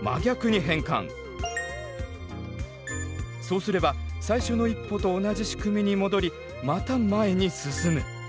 そうすれば「最初の一歩」と同じ仕組みに戻りまた前に進む。